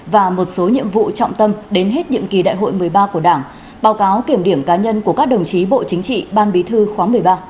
và một số nhiệm vụ trọng tâm đến hết nhiệm kỳ đại hội một mươi ba của đảng báo cáo kiểm điểm cá nhân của các đồng chí bộ chính trị ban bí thư khóa một mươi ba